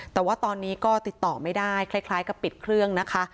แต่ว่าตอนนี้ก็ติดต่อไม่ได้คล้ายกับปิดเครื่องนะคะ